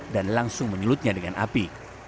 dan langsung menyulutnya dengan api